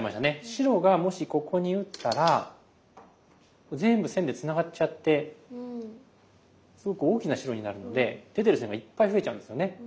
白がもしここに打ったら全部線でつながっちゃってすごく大きな白になるので出てる線がいっぱい増えちゃうんですね。